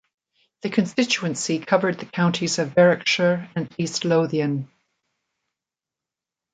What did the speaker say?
The constituency covered the counties of Berwickshire and East Lothian.